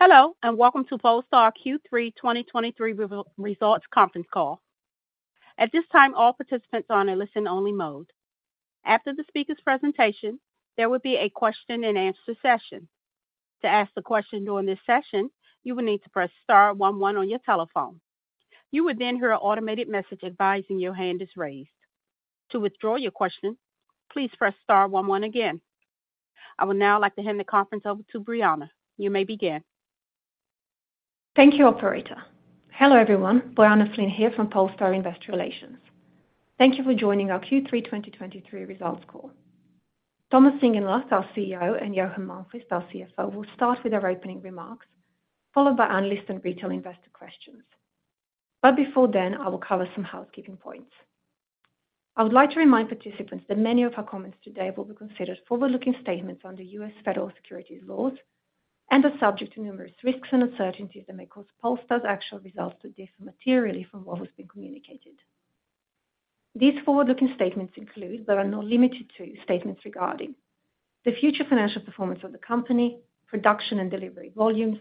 Hello, and welcome to Polestar Q3 2023 results conference call. At this time, all participants are in a listen-only mode. After the speaker's presentation, there will be a question and answer session. To ask the question during this session, you will need to press star one one on your telephone. You will then hear an automated message advising your hand is raised. To withdraw your question, please press star one one again. I would now like to hand the conference over to Bojana. You may begin. Thank you, operator. Hello, everyone. Bojana Flint here from Polestar Investor Relations. Thank you for joining our Q3 2023 results call. Thomas Ingenlath, our CEO, and Johan Malmqvist, our CFO, will start with our opening remarks, followed by analyst and retail investor questions. Before then, I will cover some housekeeping points. I would like to remind participants that many of our comments today will be considered forward-looking statements under U.S. Federal Securities Laws and are subject to numerous risks and uncertainties that may cause Polestar's actual results to differ materially from what has been communicated. These forward-looking statements include, but are not limited to, statements regarding the future financial performance of the company, production and delivery volumes,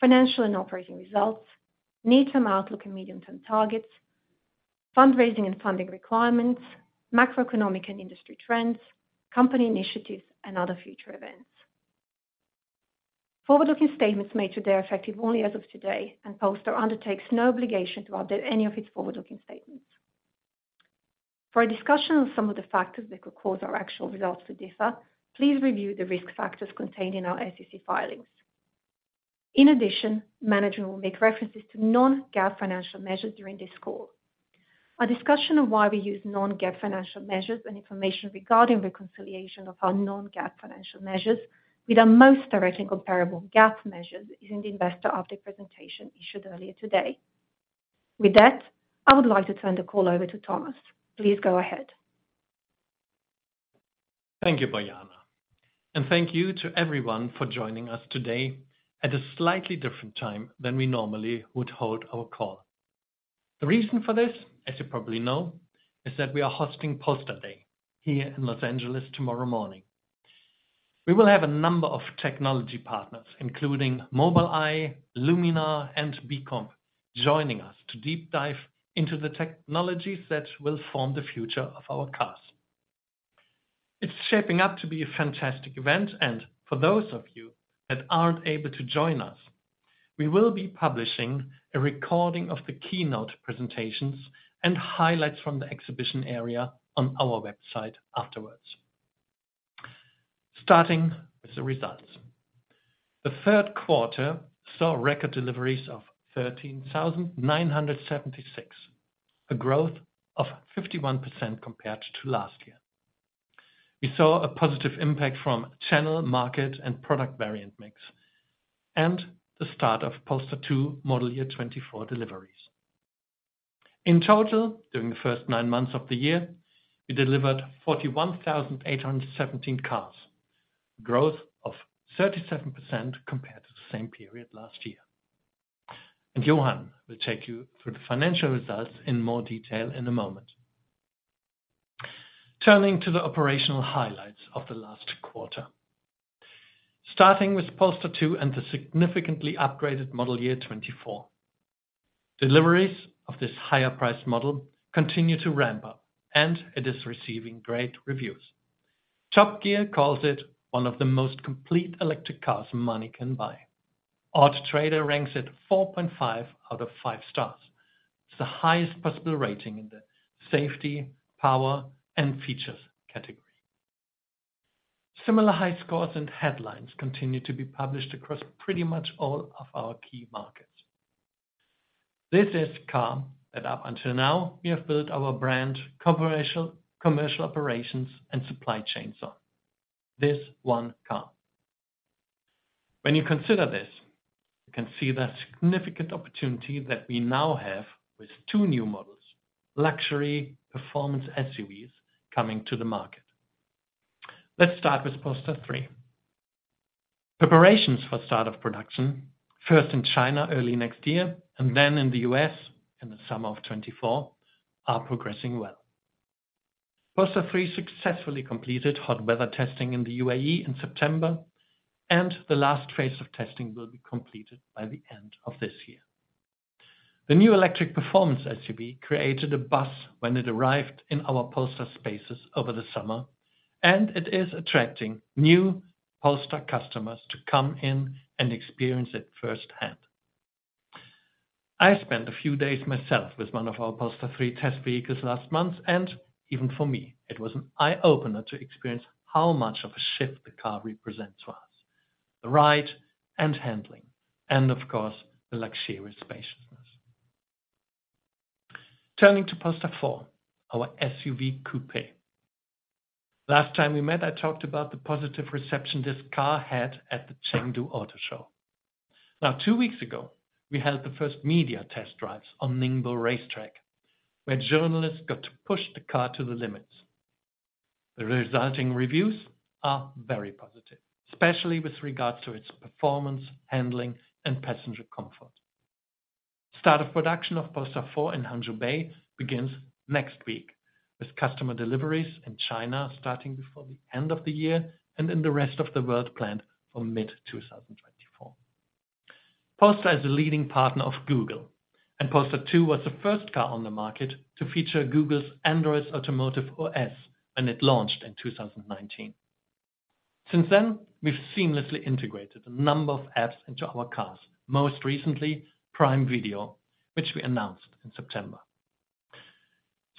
financial and operating results, near-term outlook and medium-term targets, fundraising and funding requirements, macroeconomic and industry trends, company initiatives, and other future events. Forward-looking statements made today are effective only as of today, and Polestar undertakes no obligation to update any of its forward-looking statements. For a discussion on some of the factors that could cause our actual results to differ, please review the risk factors contained in our SEC filings. In addition, management will make references to non-GAAP financial measures during this call. A discussion of why we use non-GAAP financial measures and information regarding reconciliation of our non-GAAP financial measures with our most directly comparable GAAP measures is in the investor update presentation issued earlier today. With that, I would like to turn the call over to Thomas. Please go ahead. Thank you, Bojana, and thank you to everyone for joining us today at a slightly different time than we normally would hold our call. The reason for this, as you probably know, is that we are hosting Polestar Day here in Los Angeles tomorrow morning. We will have a number of technology partners, including Mobileye, Luminar, and Bcomp, joining us to deep dive into the technologies that will form the future of our cars. It's shaping up to be a fantastic event, and for those of you that aren't able to join us, we will be publishing a recording of the keynote presentations and highlights from the exhibition area on our website afterwards. Starting with the results. The third quarter saw record deliveries of 13,976, a growth of 51% compared to last year. We saw a positive impact from channel, market, and product variant mix, and the start of Polestar 2 Model year 2024 deliveries. In total, during the first nine months of the year, we delivered 41,817 cars, growth of 37% compared to the same period last year. And Johan will take you through the financial results in more detail in a moment. Turning to the operational highlights of the last quarter. Starting with Polestar 2 and the significantly upgraded model year 2024. Deliveries of this higher-priced model continue to ramp up, and it is receiving great reviews. Top Gear calls it one of the most complete electric cars money can buy. Auto Trader ranks it 4.5 out of 5 stars. It's the highest possible rating in the safety, power, and features category. Similar high scores and headlines continue to be published across pretty much all of our key markets. This is the car that up until now, we have built our brand, cooperation, commercial operations, and supply chains on, this one car. When you consider this, you can see the significant opportunity that we now have with two new models, luxury performance SUVs, coming to the market. Let's start with Polestar 3. Preparations for start of production, first in China early next year, and then in the U.S. in the summer of 2024, are progressing well. Polestar 3 successfully completed hot weather testing in the UAE in September, and the last phase of testing will be completed by the end of this year. The new electric performance SUV created a buzz when it arrived in our Polestar Spaces over the summer, and it is attracting new Polestar customers to come in and experience it firsthand. I spent a few days myself with one of our Polestar 3 test vehicles last month, and even for me, it was an eye-opener to experience how much of a shift the car represents to us, the ride and handling, and of course, the luxurious spaciousness. Turning to Polestar 4, our SUV coupe. Last time we met, I talked about the positive reception this car had at the Chengdu Auto Show. Now, two weeks ago, we held the first media test drives on Ningbo Racetrack, where journalists got to push the car to the limits. The resulting reviews are very positive, especially with regards to its performance, handling, and passenger comfort. Start of production of Polestar 4 in Hangzhou Bay begins next week, with customer deliveries in China starting before the end of the year and in the rest of the world planned for mid-2024. Polestar is a leading partner of Google, and Polestar 2 was the first car on the market to feature Google's Android Automotive OS when it launched in 2019. Since then, we've seamlessly integrated a number of apps into our cars, most recently, Prime Video, which we announced in September.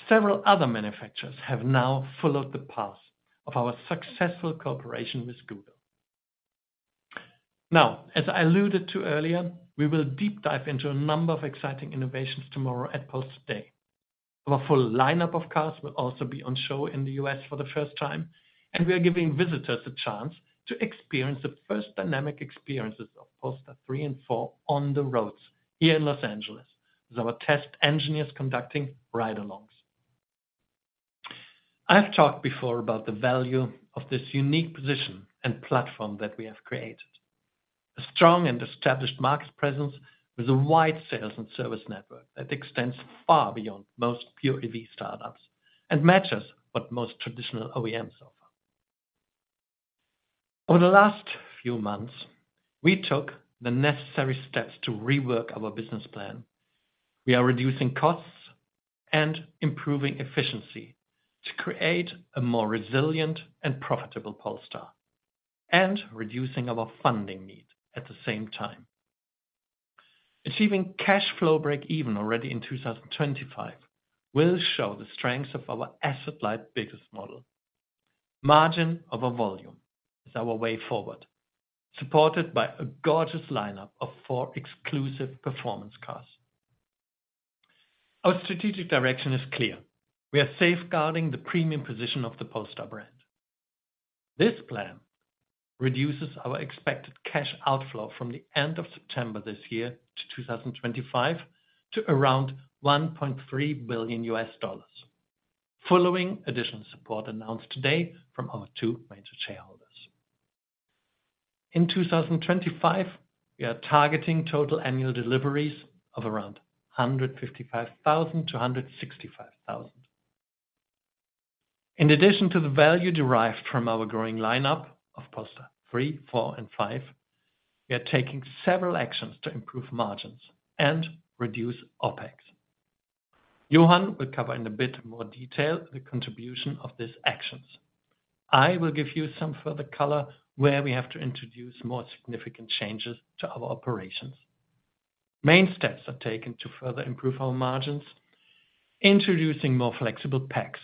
Several other manufacturers have now followed the path of our successful cooperation with Google. Now, as I alluded to earlier, we will deep dive into a number of exciting innovations tomorrow at Polestar Day. Our full lineup of cars will also be on show in the U.S, for the first time, and we are giving visitors a chance to experience the first dynamic experiences of Polestar 3 and 4 on the roads here in Los Angeles, with our test engineers conducting ride-alongs. I've talked before about the value of this unique position and platform that we have created. A strong and established market presence with a wide sales and service network that extends far beyond most pure EV startups and matches what most traditional OEMs offer. Over the last few months, we took the necessary steps to rework our business plan. We are reducing costs and improving efficiency to create a more resilient and profitable Polestar, and reducing our funding need at the same time. Achieving cash flow break-even already in 2025 will show the strengths of our asset-light business model. Margin over volume is our way forward, supported by a gorgeous lineup of four exclusive performance cars. Our strategic direction is clear: We are safeguarding the premium position of the Polestar brand. This plan reduces our expected cash outflow from the end of September this year to 2025, to around $1.3 billion, following additional support announced today from our two major shareholders. In 2025, we are targeting total annual deliveries of around 155,000-165,000. In addition to the value derived from our growing lineup of Polestar 3, 4, and 5, we are taking several actions to improve margins and reduce OpEx. Johan will cover in a bit more detail the contribution of these actions. I will give you some further color where we have to introduce more significant changes to our operations. Main steps are taken to further improve our margins, introducing more flexible packs.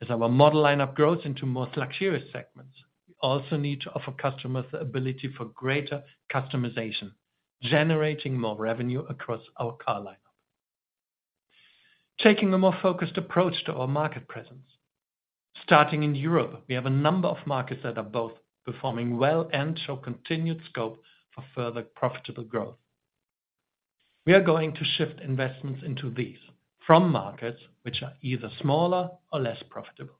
As our model lineup grows into more luxurious segments, we also need to offer customers the ability for greater customization, generating more revenue across our car lineup. Taking a more focused approach to our market presence. Starting in Europe, we have a number of markets that are both performing well and show continued scope for further profitable growth. We are going to shift investments into these from markets which are either smaller or less profitable.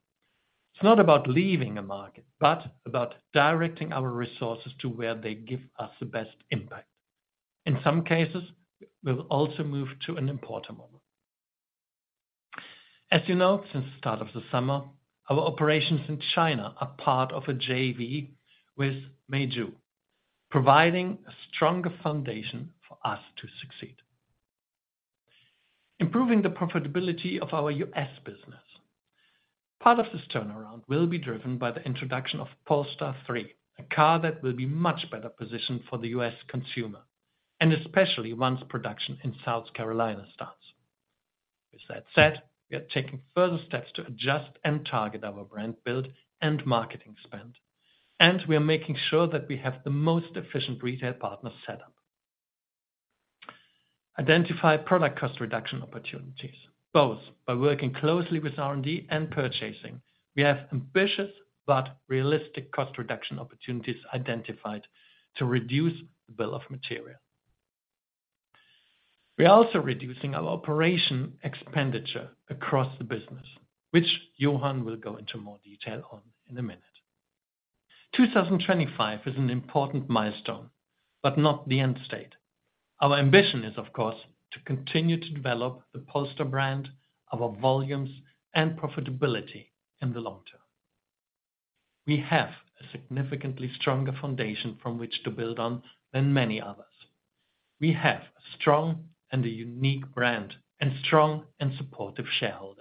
It's not about leaving a market, but about directing our resources to where they give us the best impact. In some cases, we will also move to an importer model. As you know, since the start of the summer, our operations in China are part of a JV with Meizu, providing a stronger foundation for us to succeed. Improving the profitability of our U.S. business. Part of this turnaround will be driven by the introduction of Polestar 3, a car that will be much better positioned for the U.S. consumer, and especially once production in South Carolina starts. With that said, we are taking further steps to adjust and target our brand build and marketing spend, and we are making sure that we have the most efficient retail partner set up. Identify product cost reduction opportunities, both by working closely with R&D and purchasing. We have ambitious but realistic cost reduction opportunities identified to reduce the bill of material. We are also reducing our operating expenditure across the business, which Johan will go into more detail on in a minute. 2025 is an important milestone, but not the end state. Our ambition is, of course, to continue to develop the Polestar brand, our volumes, and profitability in the long term. We have a significantly stronger foundation from which to build on than many others. We have a strong and a unique brand, and strong and supportive shareholders.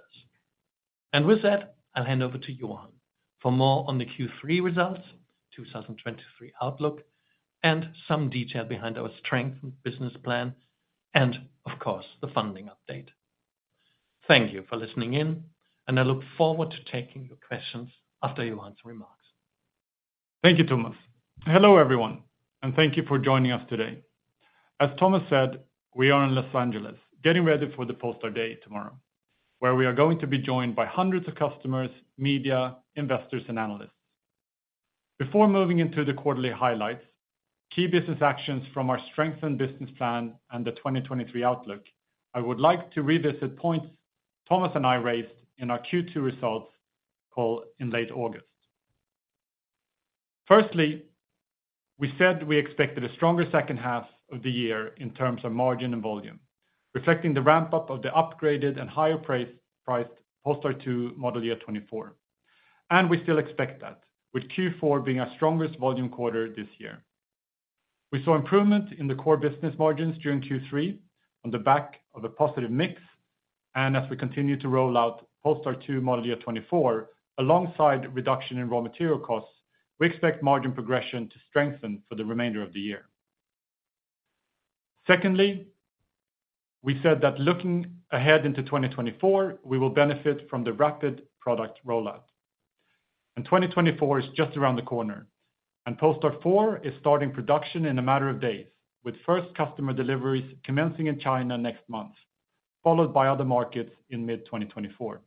And with that, I'll hand over to Johan for more on the Q3 results, 2023 outlook, and some detail behind our strengthened business plan, and of course, the funding update. Thank you for listening in, and I look forward to taking your questions after Johan's remarks. Thank you, Thomas. Hello, everyone, and thank you for joining us today. As Thomas said, we are in Los Angeles, getting ready for the Polestar Day tomorrow, where we are going to be joined by hundreds of customers, media, investors, and analysts. Before moving into the quarterly highlights, key business actions from our strengthened business plan and the 2023 outlook, I would like to revisit points Thomas and I raised in our Q2 results call in late August. First, we said we expected a stronger second half of the year in terms of margin and volume, reflecting the ramp-up of the upgraded and higher-priced Polestar 2 model year 2024. And we still expect that, with Q4 being our strongest volume quarter this year. We saw improvement in the core business margins during Q3 on the back of a positive mix, and as we continue to roll out Polestar 2 Model year 2024, alongside reduction in raw material costs, we expect margin progression to strengthen for the remainder of the year. Secondly, we said that looking ahead into 2024, we will benefit from the rapid product rollout. And 2024 is just around the corner, and Polestar 4 is starting production in a matter of days, with first customer deliveries commencing in China next month, followed by other markets in mid-2024.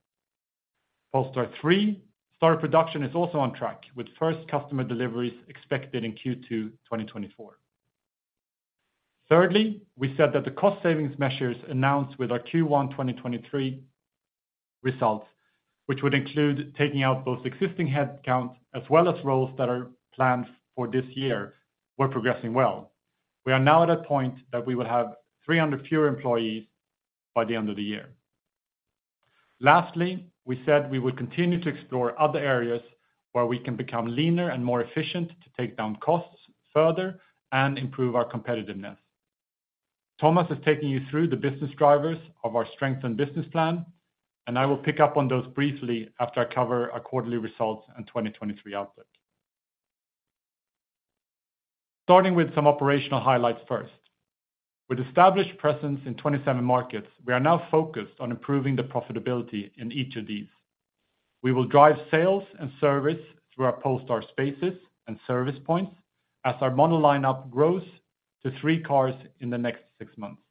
Polestar 3, start of production is also on track, with first customer deliveries expected in Q2 2024. Thirdly, we said that the cost savings measures announced with our Q1 2023 results, which would include taking out both existing headcount as well as roles that are planned for this year, were progressing well. We are now at a point that we will have 300 fewer employees by the end of the year. Lastly, we said we would continue to explore other areas where we can become leaner and more efficient to take down costs further and improve our competitiveness. Thomas is taking you through the business drivers of our strength and business plan, and I will pick up on those briefly after I cover our quarterly results and 2023 outlook. Starting with some operational highlights first. With established presence in 27 markets, we are now focused on improving the profitability in each of these. We will drive sales and service through our Polestar Spaces and service points as our model lineup grows to 3 cars in the next 6 months.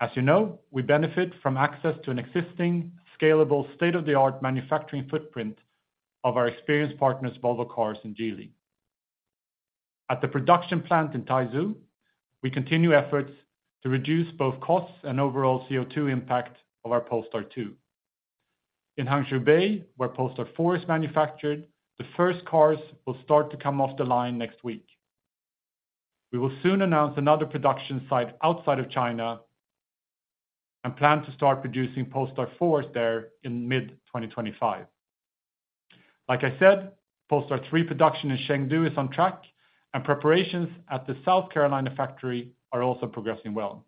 As you know, we benefit from access to an existing, scalable, state-of-the-art manufacturing footprint of our experienced partners, Volvo Cars and Geely. At the production plant in Taizhou, we continue efforts to reduce both costs and overall CO2 impact of our Polestar 2. In Hangzhou Bay, where Polestar 4 is manufactured, the first cars will start to come off the line next week. We will soon announce another production site outside of China and plan to start producing Polestar 4 there in mid-2025. Like I said, Polestar 3 production in Chengdu is on track, and preparations at the South Carolina factory are also progressing well.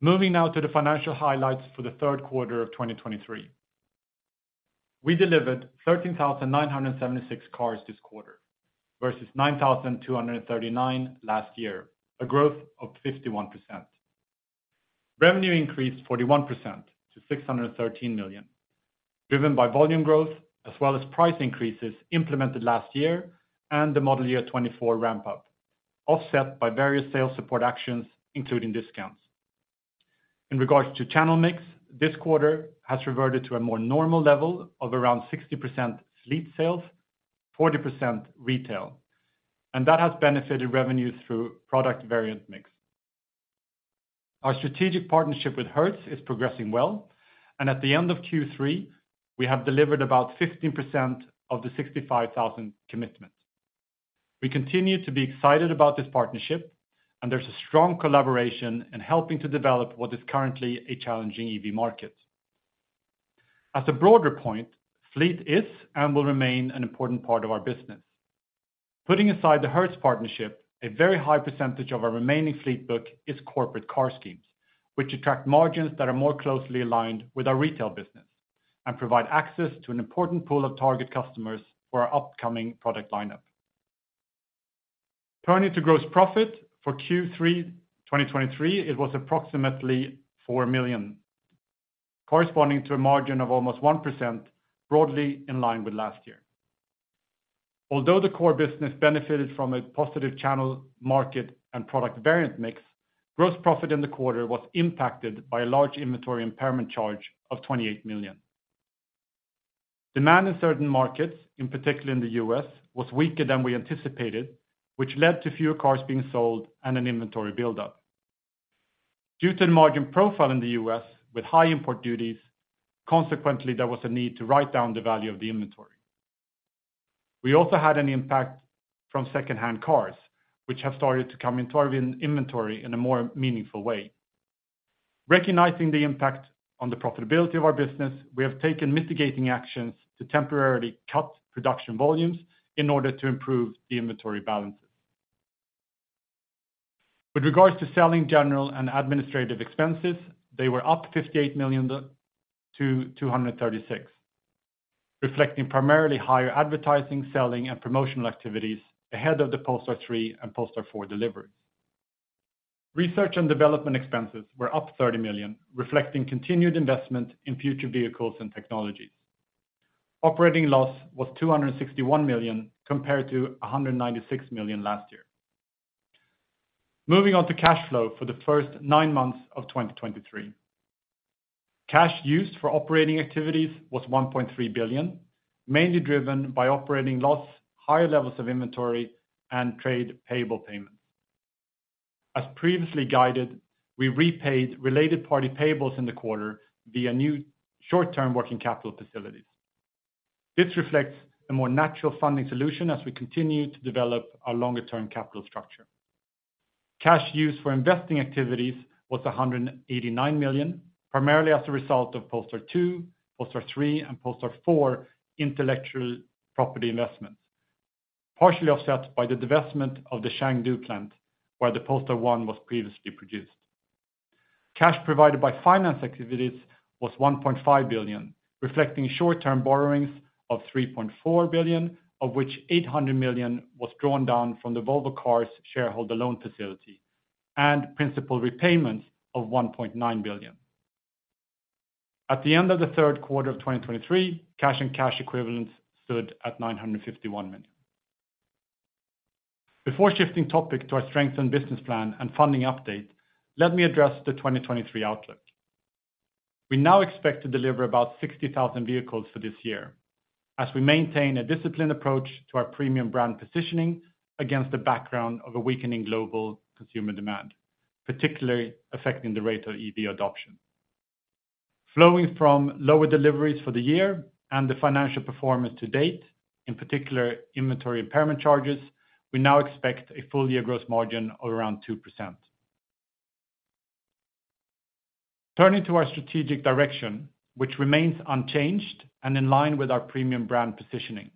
Moving now to the financial highlights for the third quarter of 2023. We delivered 13,976 cars this quarter versus 9,239 last year, a growth of 51%. Revenue increased 41% to $613 million, driven by volume growth, as well as price increases implemented last year and the Model year 2024 ramp-up, offset by various sales support actions, including discounts. In regards to channel mix, this quarter has reverted to a more normal level of around 60% fleet sales, 40% retail, and that has benefited revenues through product variant mix. Our strategic partnership with Hertz is progressing well, and at the end of Q3, we have delivered about 15% of the 65,000 commitment. We continue to be excited about this partnership, and there's a strong collaboration in helping to develop what is currently a challenging EV market. As a broader point, fleet is and will remain an important part of our business. Putting aside the Hertz partnership, a very high percentage of our remaining fleet book is corporate car schemes, which attract margins that are more closely aligned with our retail business and provide access to an important pool of target customers for our upcoming product lineup. Turning to gross profit for Q3 2023, it was approximately $4 million, corresponding to a margin of almost 1%, broadly in line with last year. Although the core business benefited from a positive channel market and product variant mix, gross profit in the quarter was impacted by a large inventory impairment charge of $28 million. Demand in certain markets, in particular in the U.S., was weaker than we anticipated, which led to fewer cars being sold and an inventory buildup. Due to the margin profile in the U.S. with high import duties, consequently, there was a need to write down the value of the inventory. We also had an impact from secondhand cars, which have started to come into our inventory in a more meaningful way. Recognizing the impact on the profitability of our business, we have taken mitigating actions to temporarily cut production volumes in order to improve the inventory balances. With regards to selling, general, and administrative expenses, they were up $58 million-$236 million, reflecting primarily higher advertising, selling, and promotional activities ahead of the Polestar 3 and Polestar 4 deliveries. Research and development expenses were up $30 million, reflecting continued investment in future vehicles and technologies. Operating loss was $261 million, compared to $196 million last year. Moving on to cash flow for the first nine months of 2023. Cash used for operating activities was $1.3 billion, mainly driven by operating loss, higher levels of inventory, and trade payable payments. As previously guided, we repaid related party payables in the quarter via new short-term working capital facilities. This reflects a more natural funding solution as we continue to develop our longer-term capital structure. Cash use for investing activities was $189 million, primarily as a result of Polestar 2, Polestar 3, and Polestar 4 intellectual property investments, partially offset by the divestment of the Chengdu plant, where the Polestar 1 was previously produced. Cash provided by finance activities was $1.5 billion, reflecting short-term borrowings of $3.4 billion, of which $800 million was drawn down from the Volvo Cars shareholder loan facility, and principal repayments of $1.9 billion. At the end of the third quarter of 2023, cash and cash equivalents stood at $951 million. Before shifting topic to our strength and business plan and funding update, let me address the 2023 outlook. We now expect to deliver about 60,000 vehicles for this year, as we maintain a disciplined approach to our premium brand positioning against the background of a weakening global consumer demand, particularly affecting the rate of EV adoption. Flowing from lower deliveries for the year and the financial performance to date, in particular, inventory impairment charges, we now expect a full year gross margin of around 2%. Turning to our strategic direction, which remains unchanged and in line with our premium brand positioning.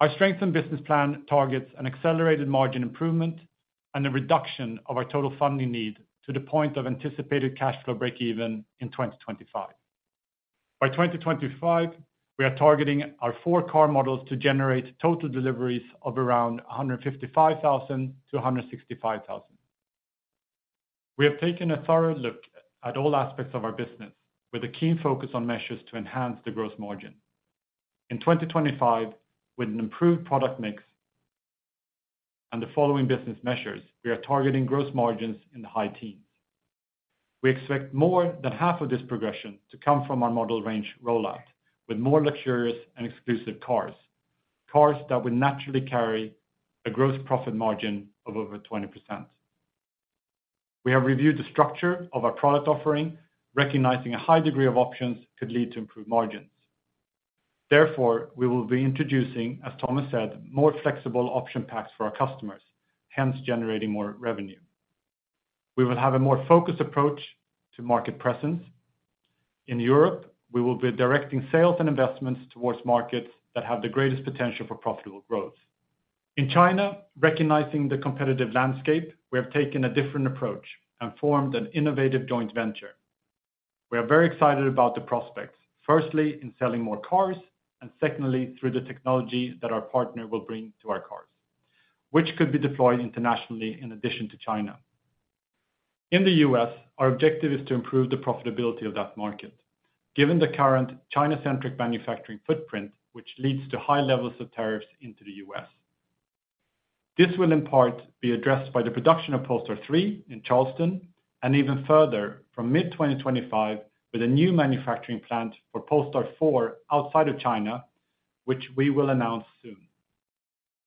Our strengthened business plan targets an accelerated margin improvement and a reduction of our total funding need to the point of anticipated cash flow breakeven in 2025. By 2025, we are targeting our four car models to generate total deliveries of around 155,000-165,000. We have taken a thorough look at all aspects of our business with a keen focus on measures to enhance the gross margin. In 2025, with an improved product mix and the following business measures, we are targeting gross margins in the high teens. We expect more than half of this progression to come from our model range rollout, with more luxurious and exclusive cars, cars that will naturally carry a gross profit margin of over 20%. We have reviewed the structure of our product offering, recognizing a high degree of options could lead to improved margins. Therefore, we will be introducing, as Thomas said, more flexible option packs for our customers, hence, generating more revenue. We will have a more focused approach to market presence. In Europe, we will be directing sales and investments towards markets that have the greatest potential for profitable growth. In China, recognizing the competitive landscape, we have taken a different approach and formed an innovative joint venture. We are very excited about the prospects, firstly, in selling more cars, and secondly, through the technology that our partner will bring to our cars, which could be deployed internationally in addition to China. In the U.S., our objective is to improve the profitability of that market, given the current China-centric manufacturing footprint, which leads to high levels of tariffs into the U.S. This will in part be addressed by the production of Polestar 3 in Charleston, and even further from mid-2025, with a new manufacturing plant for Polestar 4 outside of China, which we will announce soon.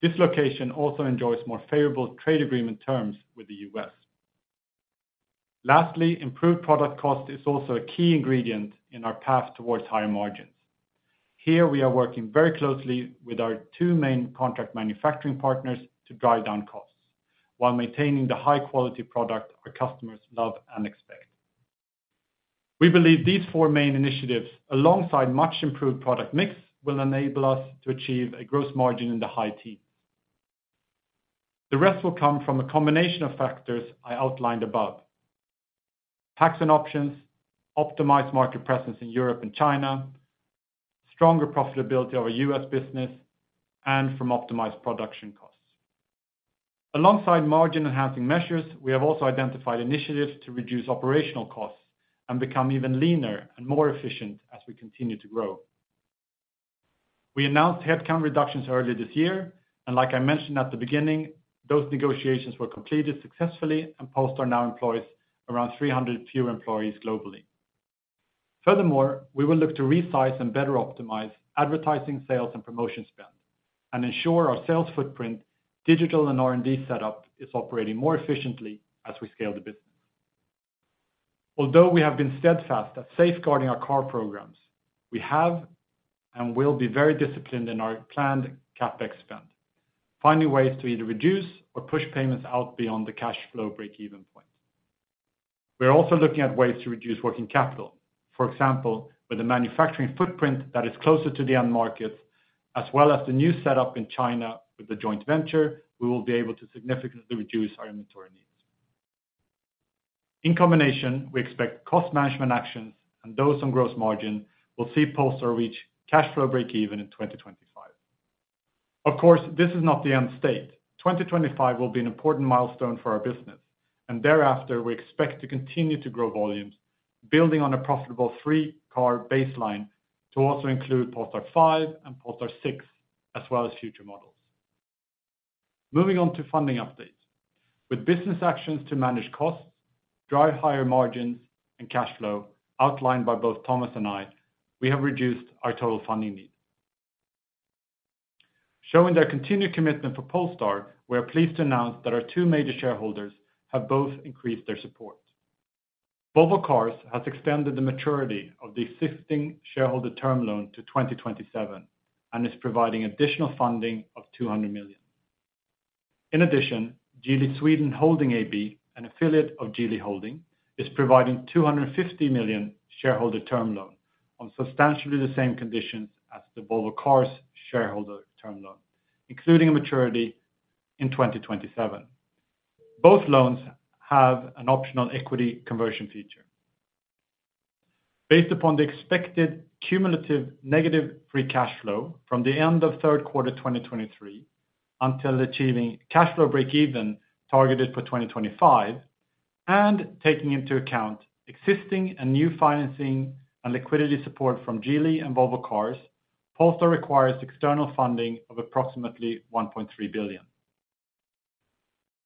This location also enjoys more favorable trade agreement terms with the U.S. Lastly, improved product cost is also a key ingredient in our path towards higher margins. Here, we are working very closely with our two main contract manufacturing partners to drive down costs while maintaining the high-quality product our customers love and expect. We believe these four main initiatives, alongside much improved product mix, will enable us to achieve a gross margin in the high teens. The rest will come from a combination of factors I outlined above. Tax and options, optimized market presence in Europe and China, stronger profitability of our U.S. business, and from optimized production costs. Alongside margin-enhancing measures, we have also identified initiatives to reduce operational costs and become even leaner and more efficient as we continue to grow. We announced headcount reductions earlier this year, and like I mentioned at the beginning, those negotiations were completed successfully, and Polestar now employs around 300 fewer employees globally. Furthermore, we will look to resize and better optimize advertising, sales, and promotion spend and ensure our sales footprint, digital and R&D setup is operating more efficiently as we scale the business. Although we have been steadfast at safeguarding our car programs, we have and will be very disciplined in our planned CapEx spend, finding ways to either reduce or push payments out beyond the cash flow breakeven point. We are also looking at ways to reduce working capital. For example, with a manufacturing footprint that is closer to the end markets, as well as the new setup in China with the joint venture, we will be able to significantly reduce our inventory needs. In combination, we expect cost management actions and those on gross margin will see Polestar reach cash flow breakeven in 2025. Of course, this is not the end state. 2025 will be an important milestone for our business, and thereafter, we expect to continue to grow volumes, building on a profitable three-car baseline to also include Polestar 5 and Polestar 6, as well as future models. Moving on to funding updates. With business actions to manage costs, drive higher margins and cash flow, outlined by both Thomas and I, we have reduced our total funding need.... Showing their continued commitment for Polestar, we are pleased to announce that our two major shareholders have both increased their support. Volvo Cars has extended the maturity of the existing shareholder term loan to 2027 and is providing additional funding of $200 million. In addition, Geely Sweden Holding AB, an affiliate of Geely Holding, is providing $250 million shareholder term loan on substantially the same conditions as the Volvo Cars shareholder term loan, including a maturity in 2027. Both loans have an optional equity conversion feature. Based upon the expected cumulative negative free cash flow from the end of third quarter 2023 until achieving cash flow break even targeted for 2025, and taking into account existing and new financing and liquidity support from Geely and Volvo Cars, Polestar requires external funding of approximately $1.3 billion.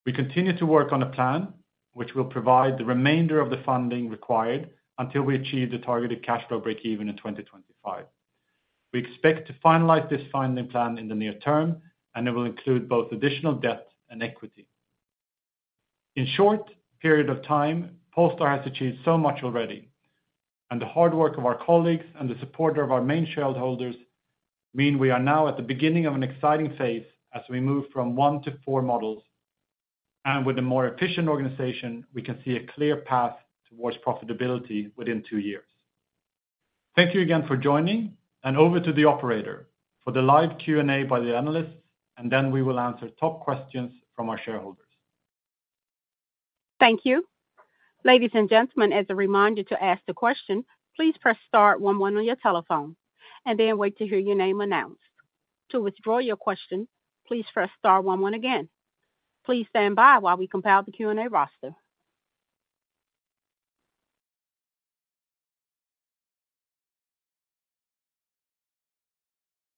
We continue to work on a plan which will provide the remainder of the funding required until we achieve the targeted cash flow break even in 2025. We expect to finalize this funding plan in the near term, and it will include both additional debt and equity. In short period of time, Polestar has achieved so much already, and the hard work of our colleagues and the support of our main shareholders mean we are now at the beginning of an exciting phase as we move from one to four models. With a more efficient organization, we can see a clear path towards profitability within two years. Thank you again for joining, and over to the operator for the live Q&A by the analysts, and then we will answer top questions from our shareholders. Thank you. Ladies and gentlemen, as a reminder to ask the question, please press star one one on your telephone and then wait to hear your name announced. To withdraw your question, please press star one one again. Please stand by while we compile the Q&A roster.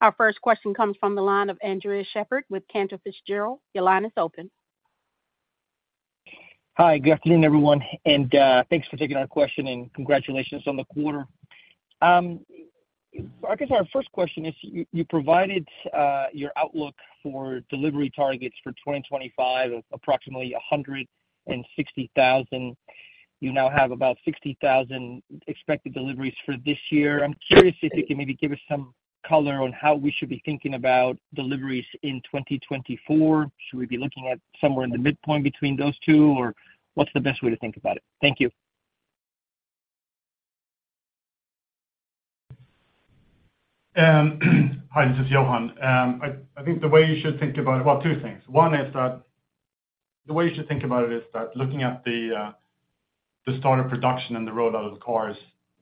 Our first question comes from the line of Andres Sheppard with Cantor Fitzgerald. Your line is open. Hi, good afternoon, everyone, and thanks for taking our question and congratulations on the quarter. I guess our first question is you provided your outlook for delivery targets for 2025, approximately 160,000. You now have about 60,000 expected deliveries for this year. I'm curious if you can maybe give us some color on how we should be thinking about deliveries in 2024. Should we be looking at somewhere in the midpoint between those two, or what's the best way to think about it? Thank you. Hi, this is Johan. I think the way you should think about it. Well, two things. One is that the way you should think about it is that looking at the start of production and the rollout of the cars,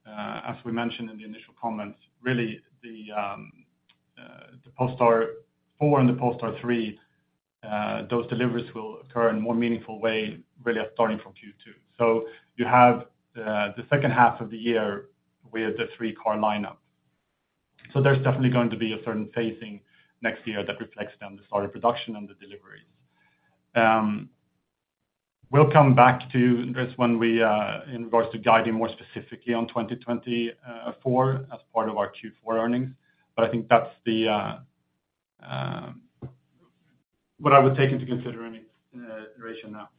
as we mentioned in the initial comments, really, the Polestar 4 and the Polestar 3, those deliveries will occur in more meaningful way, really, starting from Q2. So you have the second half of the year with the three-car lineup. So there's definitely going to be a certain phasing next year that reflects then the start of production and the deliveries. We'll come back to this when we provide the guidance more specifically on 2024 as part of our Q4 earnings, but I think that's what I would take into consideration now.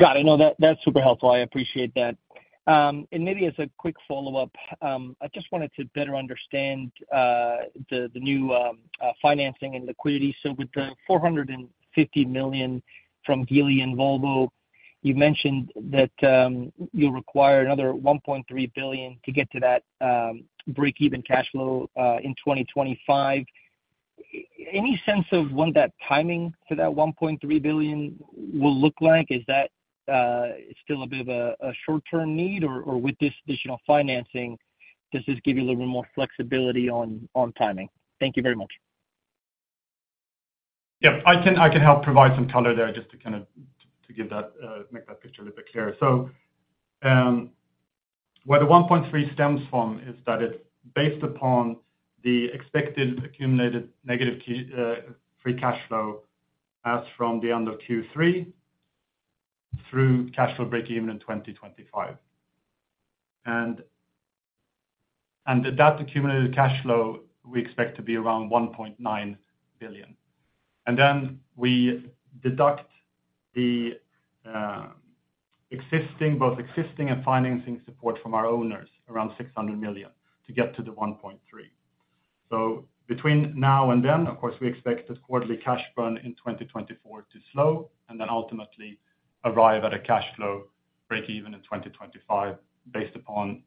Got it. No, that, that's super helpful. I appreciate that. And maybe as a quick follow-up, I just wanted to better understand the new financing and liquidity. So with the $450 million from Geely and Volvo, you mentioned that you'll require another $1.3 billion to get to that break-even cash flow in 2025. Any sense of when that timing for that $1.3 billion will look like? Is that still a bit of a short-term need, or with this additional financing, does this give you a little more flexibility on timing? Thank you very much. Yeah, I can, I can help provide some color there just to kind of give that make that picture a little bit clearer. So, where the $1.3 billion stems from is that it's based upon the expected accumulated negative free cash flow as from the end of Q3 through cash flow breakeven in 2025. And that accumulated cash flow, we expect to be around $1.9 billion. And then we deduct the existing, both existing and financing support from our owners, around $600 million, to get to the $1.3 billion. So between now and then, of course, we expect this quarterly cash burn in 2024 to slow and then ultimately arrive at a cash flow break even in 2025, based upon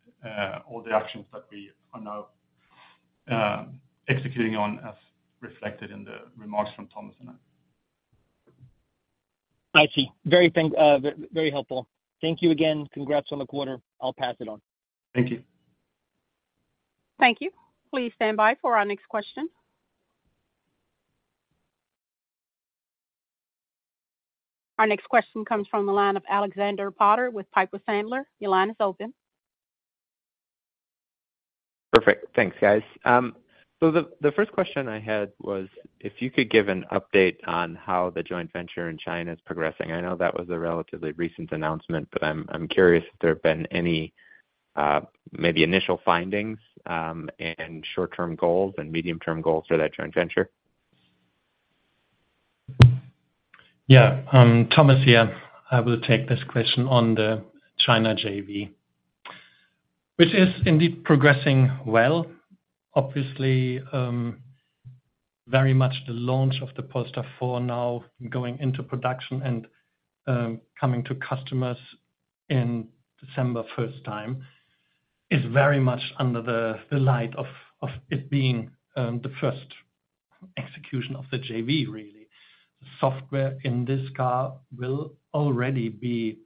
all the actions that we are now executing on, as reflected in the remarks from Thomas and I. I see. Very thankful, very, very helpful. Thank you again. Congrats on the quarter. I'll pass it on. Thank you. Thank you. Please stand by for our next question. Our next question comes from the line of Alexander Potter with Piper Sandler. Your line is open. Perfect. Thanks, guys. So the first question I had was if you could give an update on how the joint venture in China is progressing. I know that was a relatively recent announcement, but I'm curious if there have been any maybe initial findings, and short-term goals and medium-term goals for that joint venture? Yeah, Thomas here. I will take this question on the China JV, which is indeed progressing well. Obviously, very much the launch of the Polestar 4 now going into production and, coming to customers in December first time, is very much under the light of it being the first execution of the JV, really. Software in this car will already be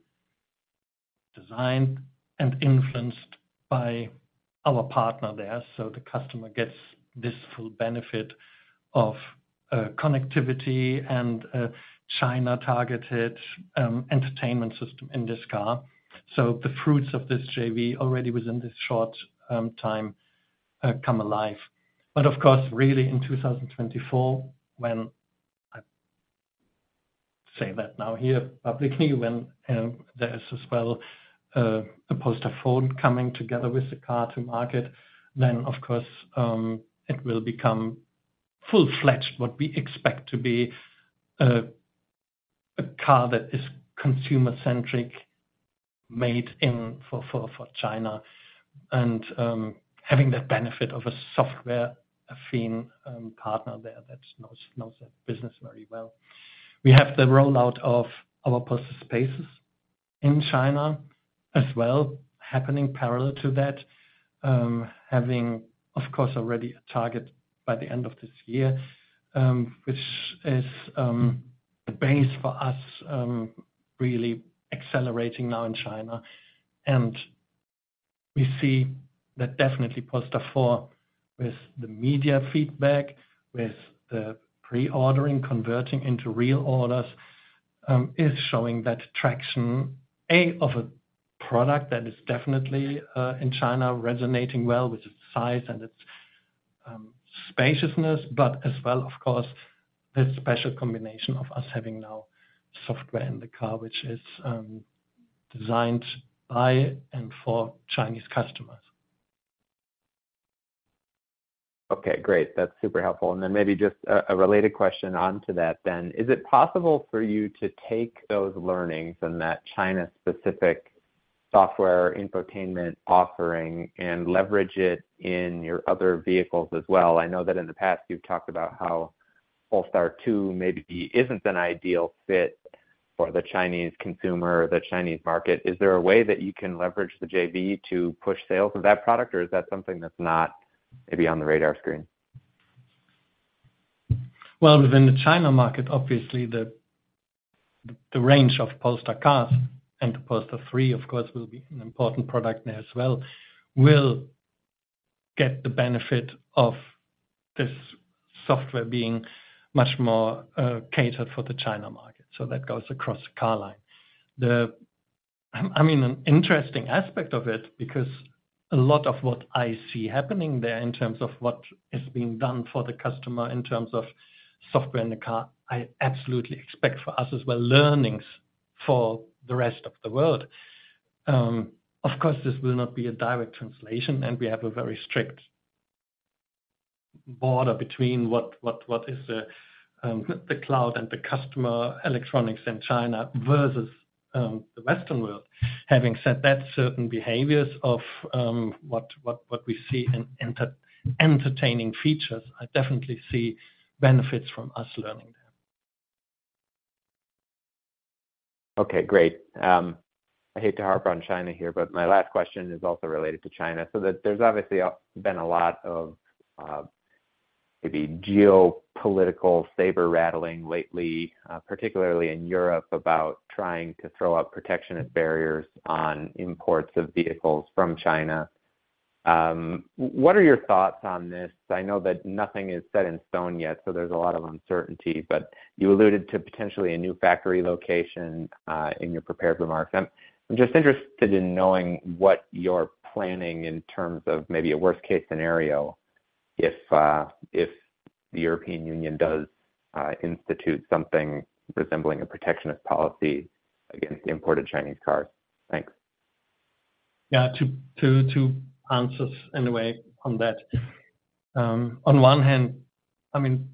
designed and influenced by our partner there, so the customer gets this full benefit of connectivity and China-targeted entertainment system in this car. So the fruits of this JV already within this short time come alive. But of course, really in 2024, when I say that now here publicly, when there is as well a Polestar phone coming together with the car to market, then of course it will become full-fledged, what we expect to be a car that is consumer-centric, made for China, and having the benefit of a software-affined partner there that knows that business very well. We have the rollout of our Polestar Spaces in China as well, happening parallel to that. Having, of course, already a target by the end of this year, which is the base for us really accelerating now in China. We see that definitely Polestar 4, with the media feedback, with the pre-ordering converting into real orders, is showing that traction of a product that is definitely in China resonating well with its size and its spaciousness, but as well, of course, this special combination of us having now software in the car, which is designed by and for Chinese customers. Okay, great. That's super helpful. And then maybe just a related question onto that then: Is it possible for you to take those learnings and that China-specific software infotainment offering and leverage it in your other vehicles as well? I know that in the past, you've talked about how Polestar 2 maybe isn't an ideal fit for the Chinese consumer or the Chinese market. Is there a way that you can leverage the JV to push sales of that product, or is that something that's not maybe on the radar screen? Well, within the China market, obviously, the range of Polestar cars, and the Polestar 3, of course, will be an important product there as well, will get the benefit of this software being much more catered for the China market. So that goes across the car line. I mean, an interesting aspect of it, because a lot of what I see happening there in terms of what is being done for the customer, in terms of software in the car, I absolutely expect for us as well, learnings for the rest of the world. Of course, this will not be a direct translation, and we have a very strict border between what is the cloud and the customer electronics in China versus the Western world. Having said that, certain behaviors of what we see in entertaining features, I definitely see benefits from us learning. Okay, great. I hate to harp on China here, but my last question is also related to China. So there's obviously been a lot of, maybe geopolitical saber-rattling lately, particularly in Europe, about trying to throw out protectionist barriers on imports of vehicles from China. What are your thoughts on this? I know that nothing is set in stone yet, so there's a lot of uncertainty, but you alluded to potentially a new factory location in your prepared remarks. I'm just interested in knowing what you're planning in terms of maybe a worst-case scenario, if the European Union does institute something resembling a protectionist policy against the imported Chinese cars. Thanks. Yeah. To answer in a way on that. On one hand, I mean,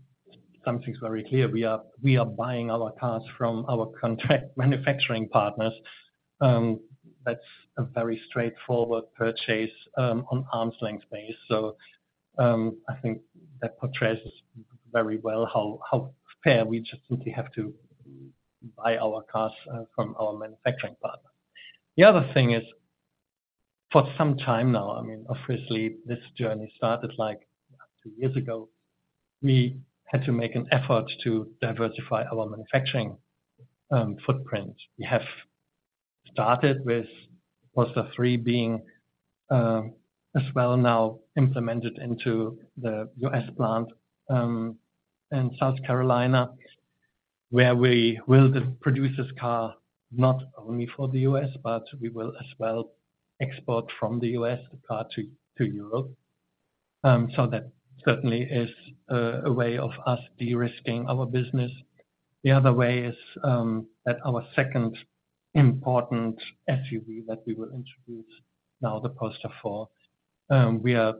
something's very clear, we are buying our cars from our contract manufacturing partners. That's a very straightforward purchase on arm's length basis. So, I think that portrays very well how fair we simply have to buy our cars from our manufacturing partner. The other thing is, for some time now, I mean, obviously, this journey started, like, two years ago. We had to make an effort to diversify our manufacturing footprint. We have started with Polestar 3 being as well now implemented into the U.S. plant in South Carolina, where we will produce this car not only for the U.S., but we will as well export from the U.S. the car to Europe. So that certainly is a way of us de-risking our business. The other way is that our second important SUV that we will introduce now, the Polestar 4, we are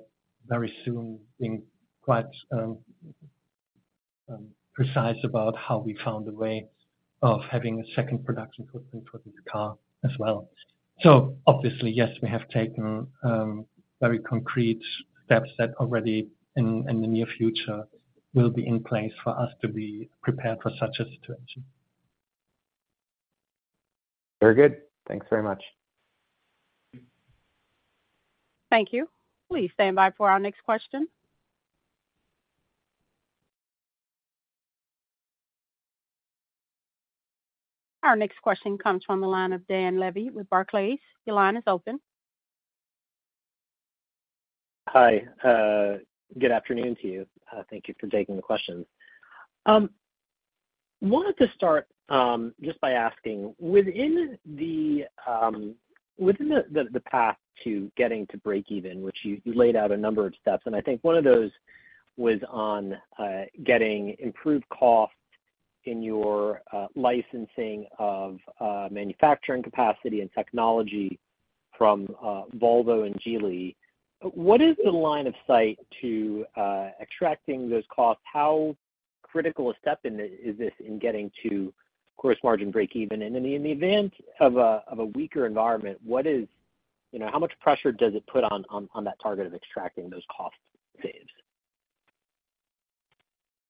very soon being quite precise about how we found a way of having a second production equipment for this car as well. So obviously, yes, we have taken very concrete steps that already in the near future will be in place for us to be prepared for such a situation. Very good. Thanks very much. Thank you. Please stand by for our next question. Our next question comes from the line of Dan Levy with Barclays. Your line is open. Hi, good afternoon to you. Thank you for taking the questions. Wanted to start just by asking, within the path to getting to breakeven, which you laid out a number of steps, and I think one of those was on getting improved cost in your licensing of manufacturing capacity and technology from Volvo and Geely. What is the line of sight to extracting those costs? How critical a step is this in getting to gross margin breakeven? And then in the event of a weaker environment, what is. You know, how much pressure does it put on that target of extracting those cost saves?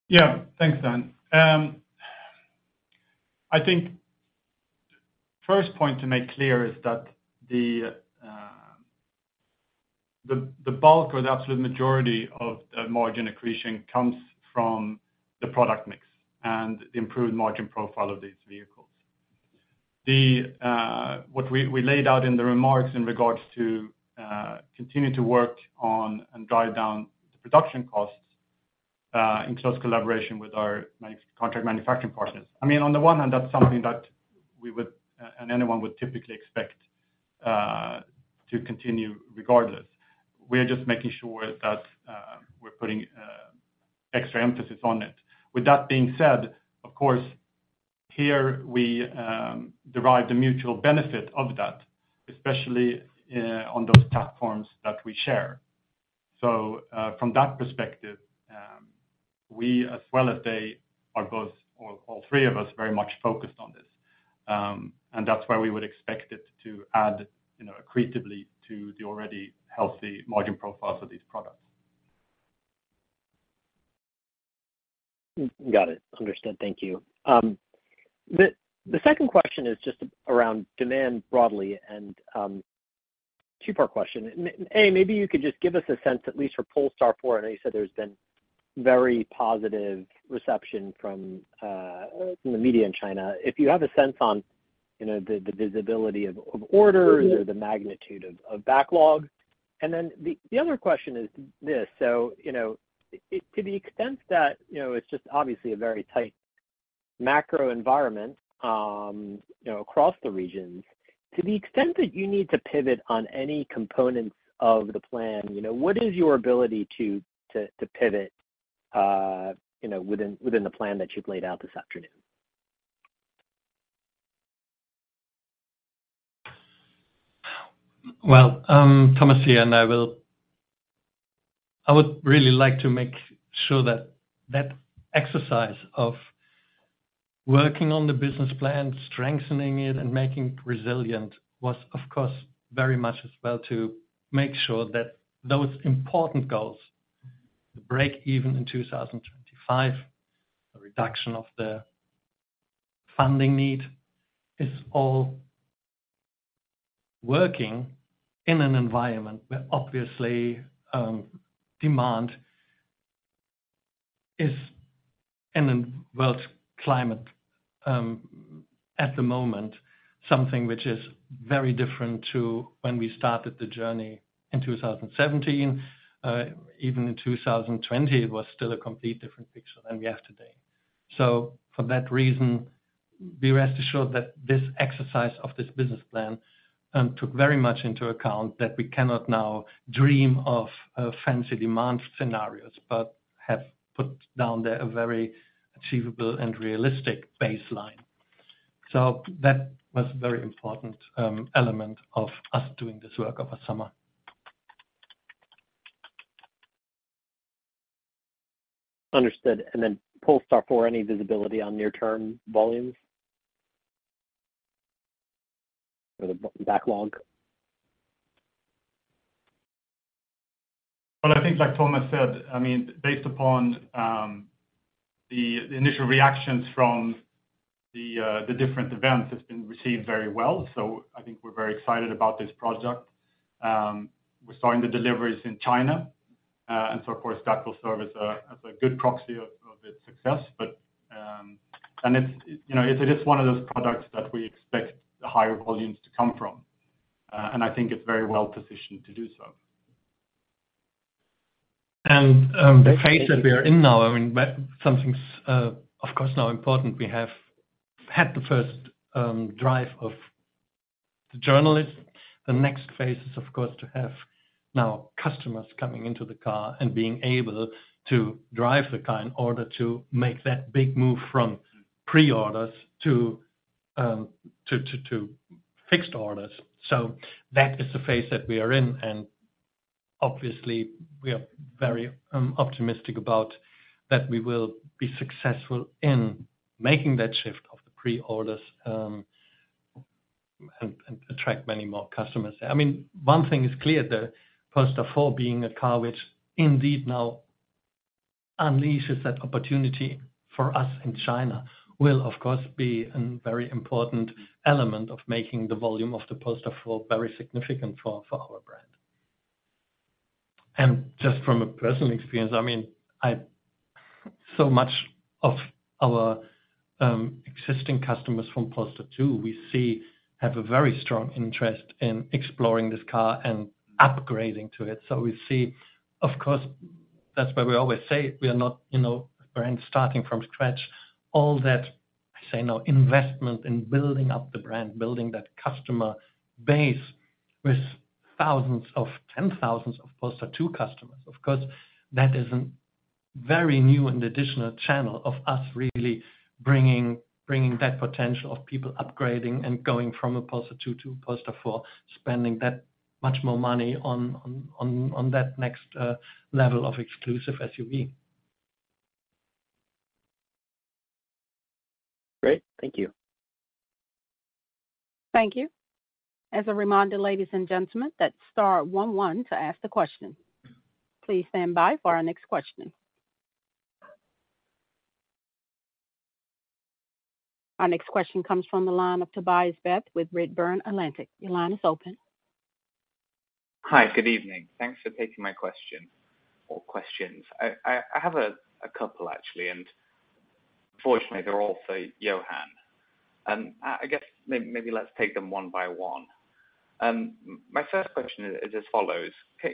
Yeah. Thanks, Dan. I think first point to make clear is that the bulk or the absolute majority of the margin accretion comes from the product mix and the improved margin profile of these vehicles. What we laid out in the remarks in regards to continue to work on and drive down the production costs in close collaboration with our contract manufacturing partners. I mean, on the one hand, that's something that we would and anyone would typically expect to continue regardless. We are just making sure that we're putting extra emphasis on it. With that being said, of course, here we derive the mutual benefit of that, especially on those platforms that we share. So, from that perspective, we, as well as they, are both, or all three of us, very much focused on this. And that's why we would expect it to add, you know, accretively to the already healthy margin profiles of these products. Got it. Understood. Thank you. The second question is just around demand broadly, and, two-part question. A, maybe you could just give us a sense, at least for Polestar 4, I know you said there's been very positive reception from, from the media in China. If you have a sense on, you know, the visibility of orders or the magnitude of backlog. And then the other question is this, so, you know, to the extent that, you know, it's just obviously a very tight macro environment, you know, across the regions. To the extent that you need to pivot on any components of the plan, you know, what is your ability to pivot, you know, within the plan that you've laid out this afternoon? Well, Thomas here, and I would really like to make sure that that exercise of working on the business plan, strengthening it, and making it resilient was, of course, very much as well to make sure that those important goals, the break-even in 2025, the reduction of the funding need, is all working in an environment where obviously, demand is in a world climate, at the moment, something which is very different to when we started the journey in 2017. Even in 2020, it was still a complete different picture than we have today. So for that reason, be rest assured that this exercise of this business plan, took very much into account that we cannot now dream of, fancy demand scenarios, but have put down there a very achievable and realistic baseline. So that was a very important element of us doing this work over summer. Understood. And then Polestar 4, any visibility on near-term volumes or the backlog? Well, I think like Thomas said, I mean, based upon the initial reactions from the different events, it's been received very well. So I think we're very excited about this project. We're starting the deliveries in China, and so of course, that will serve as a good proxy of its success. But, and it's, you know, it is one of those products that we expect the higher volumes to come from, and I think it's very well positioned to do so. The phase that we are in now, I mean, something, of course, now important, we have had the first drive of the journalists, the next phase is, of course, to have now customers coming into the car and being able to drive the car in order to make that big move from pre-orders to fixed orders. So that is the phase that we are in, and obviously, we are very optimistic about that we will be successful in making that shift of the pre-orders and attract many more customers. I mean, one thing is clear, the Polestar 4 being a car which indeed now unleashes that opportunity for us in China, will of course be a very important element of making the volume of the Polestar 4 very significant for our brand. And just from a personal experience, I mean, so much of our existing customers from Polestar 2, we see have a very strong interest in exploring this car and upgrading to it. So we see of course, that's why we always say we are not, you know, brand starting from scratch. All that, I say now, investment in building up the brand, building that customer base with thousands – 10,000 Polestar 2 customers. Of course, that is a very new and additional channel of us really bringing that potential of people upgrading and going from a Polestar 2 to Polestar 4, spending that much more money on that next level of exclusive SUV. Great. Thank you. Thank you. As a reminder, ladies and gentlemen, that's star one one to ask the question. Please stand by for our next question. Our next question comes from the line of Tobias Beith with Redburn Atlantic. Your line is open. Hi, good evening. Thanks for taking my question or questions. I have a couple actually, and fortunately, they're all for Johan. I guess maybe let's take them one by one. My first question is as follows: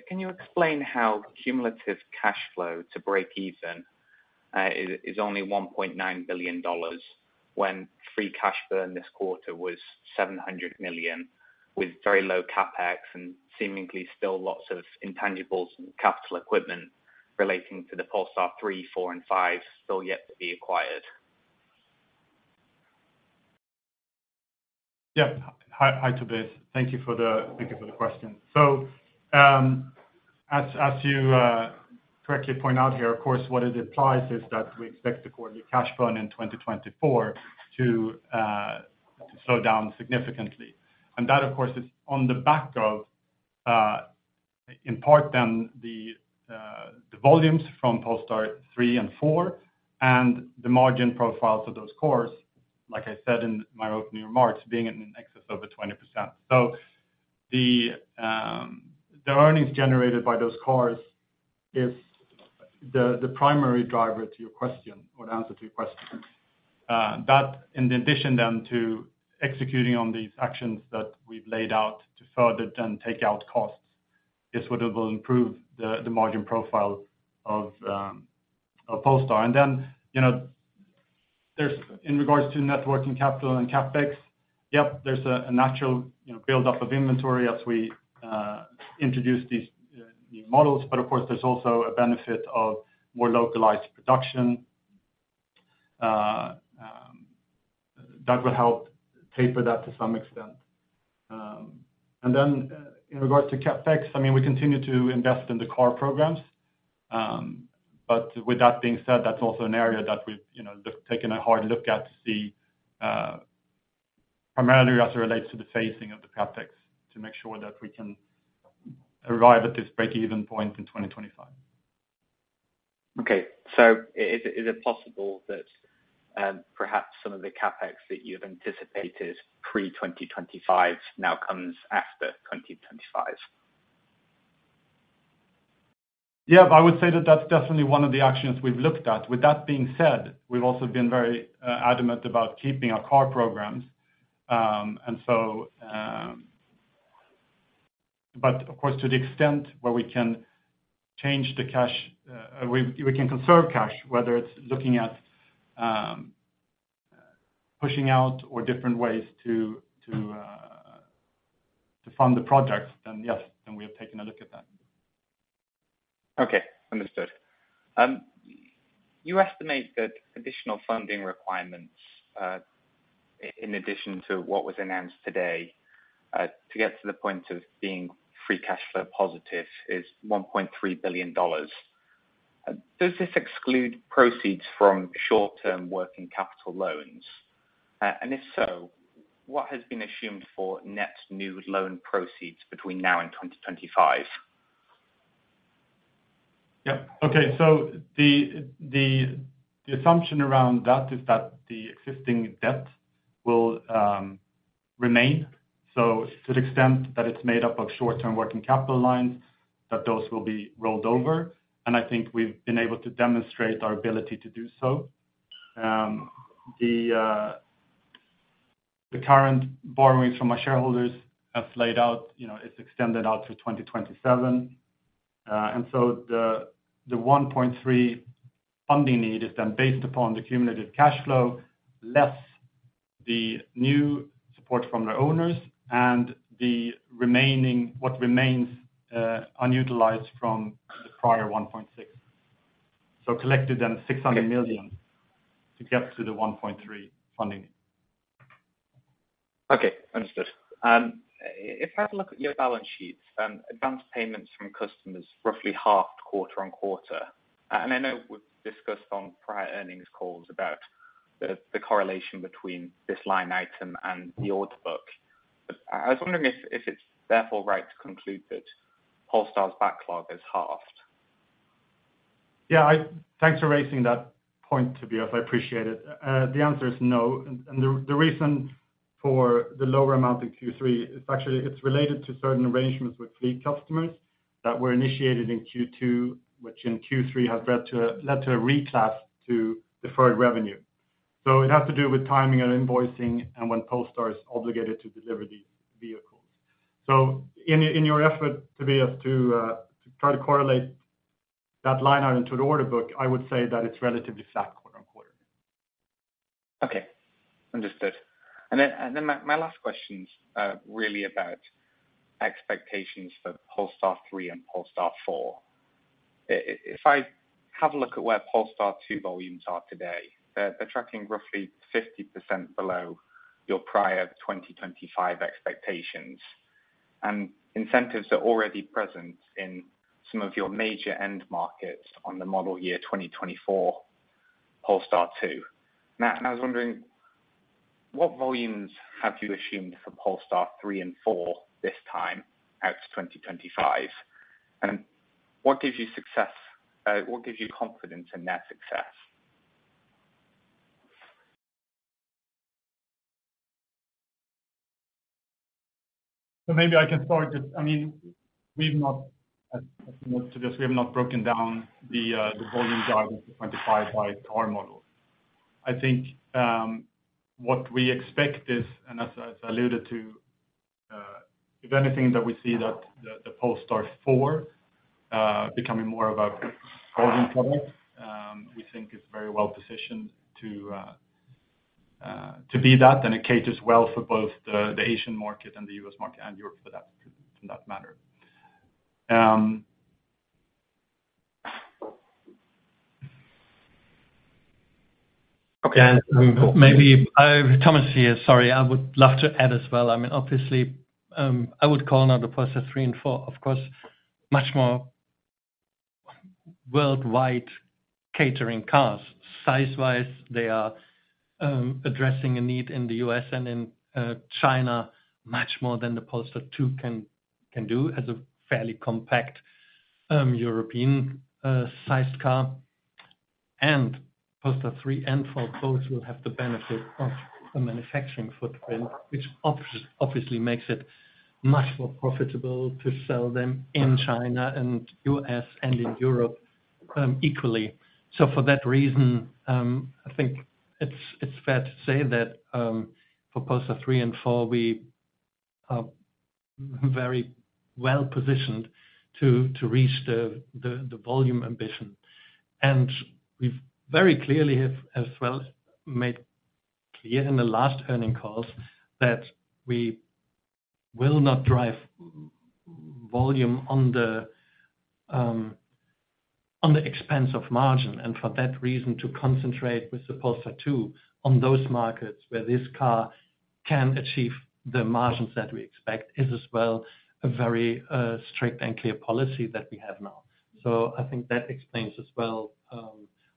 Can you explain how cumulative cash flow to break even is only $1.9 billion, when free cash burn this quarter was $700 million, with very low CapEx and seemingly still lots of intangibles and capital equipment relating to the Polestar 3, 4, and 5 still yet to be acquired? Yeah. Hi, Tobias. Thank you for the question. So, as you correctly point out here, of course, what it implies is that we expect the quarterly cash burn in 2024 to slow down significantly. And that, of course, is on the back of, in part then the volumes from Polestar 3 and 4, and the margin profiles of those cars, like I said in my opening remarks, being in excess over 20%. So the earnings generated by those cars is the primary driver to your question or the answer to your question. That in addition then to executing on these actions that we've laid out to further then take out costs, is what it will improve the margin profile of Polestar. And then, you know, there's. In regards to net working capital and CapEx, yep, there's a natural, you know, buildup of inventory as we introduce these new models. But of course, there's also a benefit of more localized production that will help taper that to some extent. And then, in regards to CapEx, I mean, we continue to invest in the car programs. But with that being said, that's also an area that we've, you know, taken a hard look at to see, primarily as it relates to the phasing of the CapEx, to make sure that we can arrive at this breakeven point in 2025. Okay. So is it, is it possible that, perhaps some of the CapEx that you've anticipated pre-2025 now comes after 2025? Yeah, but I would say that that's definitely one of the actions we've looked at. With that being said, we've also been very adamant about keeping our car programs. But of course, to the extent where we can change the cash, we can conserve cash, whether it's looking at pushing out or different ways to fund the projects, then yes, then we have taken a look at that. Okay, understood. You estimate that additional funding requirements, in addition to what was announced today, to get to the point of being free cash flow positive, is $1.3 billion. Does this exclude proceeds from short-term working capital loans? And if so, what has been assumed for net new loan proceeds between now and 2025? Yep. Okay. So the assumption around that is that the existing debt will remain. So to the extent that it's made up of short-term working capital lines, that those will be rolled over, and I think we've been able to demonstrate our ability to do so. The current borrowing from our shareholders as laid out, you know, is extended out to 2027. And so the $1.3 funding need is then based upon the cumulative cash flow, less the new support from the owners and the remaining, what remains, unutilized from the prior $1.6. So collected then $600 million to get to the $1.3 funding. Okay, understood. If I have a look at your balance sheets, advanced payments from customers roughly halved quarter-on-quarter. I know we've discussed on prior earnings calls about the correlation between this line item and the order book. But I was wondering if it's therefore right to conclude that Polestar's backlog is halved? Yeah, thanks for raising that point, Tobias. I appreciate it. The answer is no. And the reason for the lower amount in Q3, it's actually related to certain arrangements with fleet customers that were initiated in Q2, which in Q3 have led to a reclass to deferred revenue. So it has to do with timing and invoicing and when Polestar is obligated to deliver these vehicles. So in your effort, Tobias, to try to correlate that line item to the order book, I would say that it's relatively flat quarter on quarter. Okay, understood. And then my last question's really about expectations for Polestar 3 and Polestar 4. If I have a look at where Polestar 2 volumes are today, they're tracking roughly 50% below your prior 2025 expectations, and incentives are already present in some of your major end markets on the model year 2024 Polestar 2. Now, I was wondering, what volumes have you assumed for Polestar 3 and 4 this time, out to 2025? And what gives you success, what gives you confidence in that success? So maybe I can start this. I mean, we've not, as, as most of us, we have not broken down the, the volume guide of 2025 by our model. I think, what we expect is, and as I, as I alluded to, if anything, that we see that the, the Polestar 4, becoming more of a volume product, we think is very well positioned to, to be that, and it caters well for both the, the Asian market and the US market, and Europe for that, for that matter. Okay, and maybe I, Thomas here, sorry, I would love to add as well. I mean, obviously, I would call now the Polestar 3 and 4, of course, much more worldwide catering cars. Size-wise, they are addressing a need in the U.S. and in China, much more than the Polestar 2 can do, as a fairly compact European sized car. And Polestar 3 and 4 both will have the benefit of a manufacturing footprint, which obviously makes it much more profitable to sell them in China, and U.S., and in Europe, equally. So for that reason, I think it's fair to say that for Polestar 3 and 4, we are very well positioned to reach the volume ambition. And we've very clearly have, as well made clear in the last earnings calls, that we will not drive volume on the expense of margin, and for that reason, to concentrate with the Polestar 2 on those markets where this car can achieve the margins that we expect, is as well, a very, strict and clear policy that we have now. So I think that explains as well,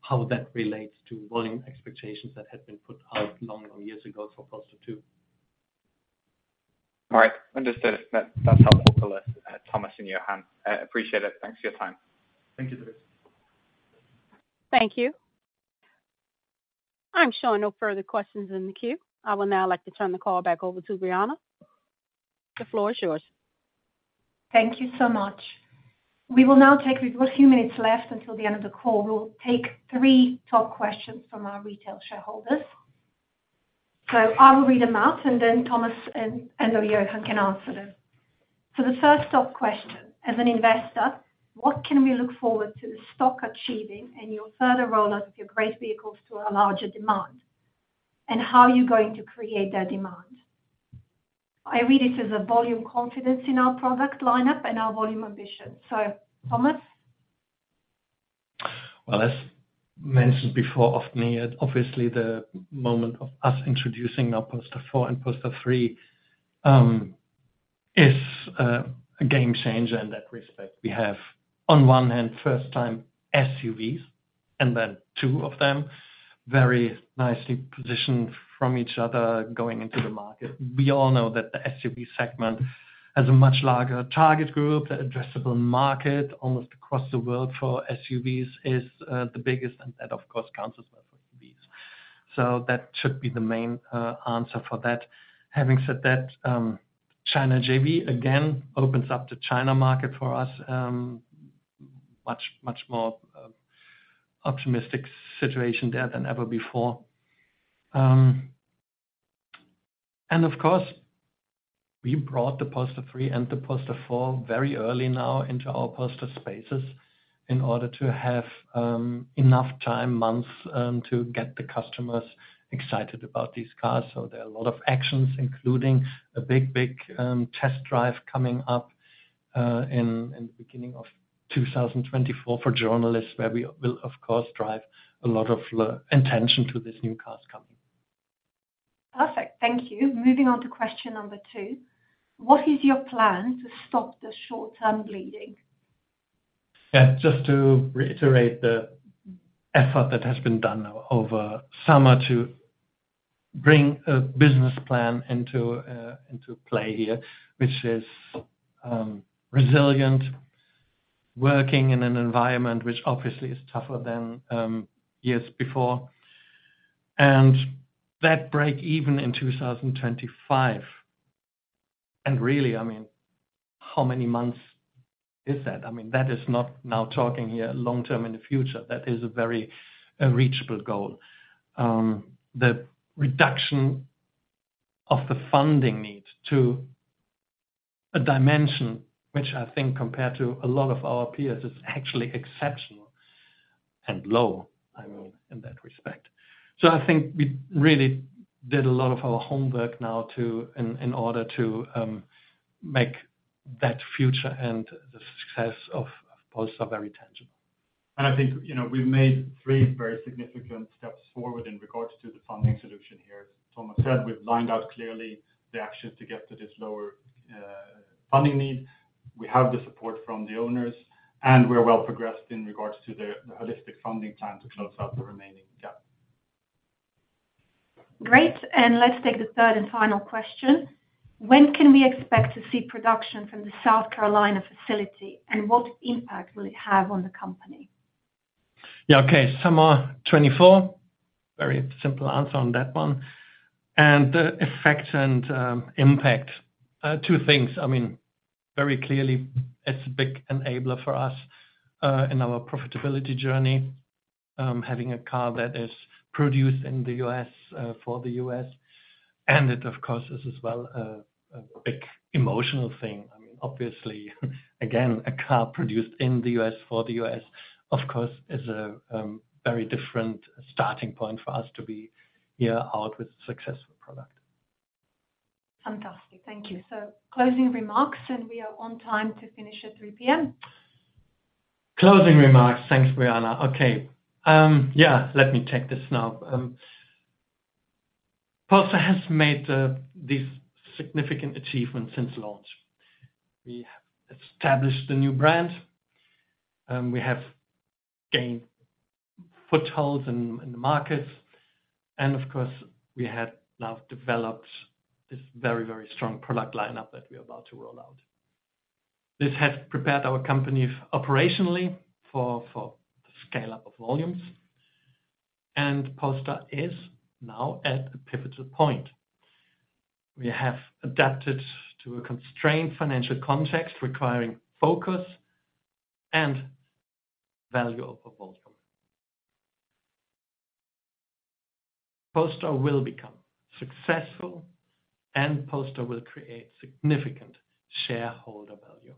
how that relates to volume expectations that had been put out long years ago for Polestar 2. All right. Understood. That, that's helpful, Thomas and Johan. I appreciate it. Thanks for your time. Thank you, Tobias. Thank you. I'm showing no further questions in the queue. I will now like to turn the call back over to Bojana. The floor is yours. Thank you so much. We will now take. We've a few minutes left until the end of the call. We will take three top questions from our retail shareholders. So I will read them out, and then Thomas and Johan can answer them. So the first top question. As an investor, what can we look forward to the stock achieving in your further rollout of your great vehicles to a larger demand? And how are you going to create that demand? I read it as a volume confidence in our product lineup and our volume ambition. So Thomas? Well, as mentioned before, often, obviously, the moment of us introducing our Polestar 4 and Polestar 3 is a game changer in that respect. We have, on one hand, first time SUVs, and then two of them, very nicely positioned from each other, going into the market. We all know that the SUV segment has a much larger target group. The addressable market, almost across the world for SUVs is the biggest, and that, of course, counts as well for EVs. So that should be the main answer for that. Having said that, China JV, again, opens up the China market for us, much, much more optimistic situation there than ever before. And of course, we brought the Polestar 3 and the Polestar 4 very early now into our Polestar Spaces in order to have enough time, months, to get the customers excited about these cars. So there are a lot of actions, including a big, big, test drive coming up in the beginning of 2024 for journalists, where we will, of course, drive a lot of attention to this new cars coming. Perfect. Thank you. Moving on to question number two. What is your plan to stop the short-term bleeding? Yeah, just to reiterate the effort that has been done now over summer to bring a business plan into, into play here, which is, resilient, working in an environment which obviously is tougher than, years before. And that break even in 2025, and really, I mean, how many months is that? I mean, that is not now talking here long-term in the future. That is a very, a reachable goal. The reduction of the funding needs to a dimension, which I think compared to a lot of our peers, is actually exceptional and low, I mean, in that respect. So I think we really did a lot of our homework now to in, in order to, make that future and the success of, of Polestar very tangible. I think, you know, we've made three very significant steps forward in regards to the funding solution here. As Thomas said, we've lined out clearly the actions to get to this lower funding need. We have the support from the owners, and we're well progressed in regards to the holistic funding plan to close out the remaining gap. Great, and let's take the third and final question: When can we expect to see production from the South Carolina facility, and what impact will it have on the company? Yeah, okay. Summer 2024. Very simple answer on that one. And the effect and impact, two things. I mean, very clearly, it's a big enabler for us in our profitability journey, having a car that is produced in the U.S. for the U.S., and it, of course, is as well a big emotional thing. I mean, obviously, again, a car produced in the U.S. for the U.S., of course, is a very different starting point for us to be here out with a successful product. Fantastic. Thank you. So closing remarks, and we are on time to finish at 3:00 P.M. Closing remarks. Thanks, Bojana. Okay, yeah, let me take this now. Polestar has made these significant achievements since launch. We have established a new brand, we have gained footholds in the markets, and of course, we have now developed this very, very strong product lineup that we're about to roll out. This has prepared our company operationally for the scale-up of volumes, and Polestar is now at a pivotal point. We have adapted to a constrained financial context, requiring focus and value of proposal. Polestar will become successful, and Polestar will create significant shareholder value.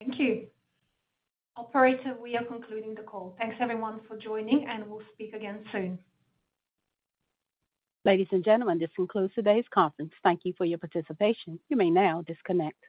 Thank you. Operator, we are concluding the call. Thanks, everyone, for joining, and we'll speak again soon. Ladies and gentlemen, this concludes today's conference. Thank you for your participation. You may now disconnect.